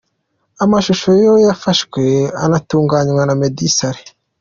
Amashusho yayo yafashwe anatunganywa na Meddy Saleh.